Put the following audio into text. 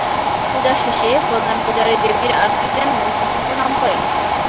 পূজার শেষে প্রধান পূজারি দেবীর আরতি দেন এবং তাঁকে প্রণাম করেন।